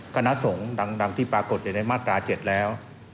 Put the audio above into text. คณะสงในมาตรา๗แล้ว